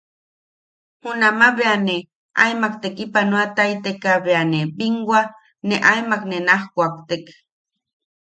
Junama bea ne aemak tekipanoataiteka bea ne binwa ne aemak ne naj kuaktek.